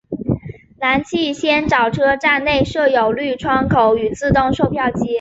南气仙沼车站内设有绿窗口与自动售票机。